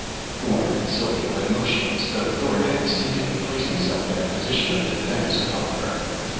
Thorn and Sylva lay motionless, though Thorn had instinctively placed himself in a position of defense above her.